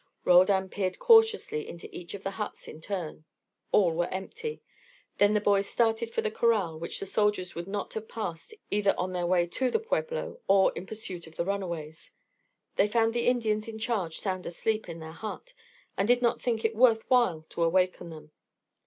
Roldan peered cautiously into each of the huts in turn; all were empty. Then the boys started for the corral, which the soldiers would not have passed either on their way to the pueblo or in pursuit of the runaways. They found the Indians in charge sound asleep in their hut, and did not think it worth while to awaken them.